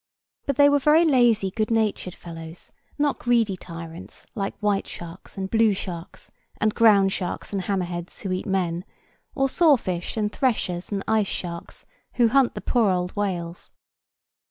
But they were very lazy good natured fellows, not greedy tyrants, like white sharks and blue sharks and ground sharks and hammer heads, who eat men, or saw fish and threshers and ice sharks, who hunt the poor old whales.